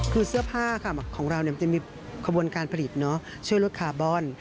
คือเสื้อผ้าค่ะของเรามันจะมีขบวนการผลิตช่วยลดคาร์บอน